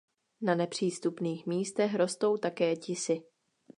Na nepřístupných místech rostou také tisy.